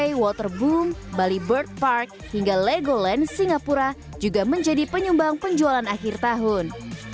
di snow bay waterboom bali bird park hingga legoland singapura juga menjadi penyumbang penjualan akhir tahun